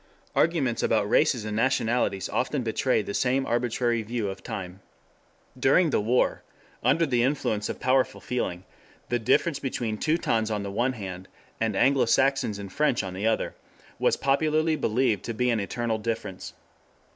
Arguments about "races" and nationalities often betray the same arbitrary view of time. During the war, under the influence of powerful feeling, the difference between "Teutons" on the one hand, and "Anglo Saxons" and French on the other, was popularly believed to be an eternal difference.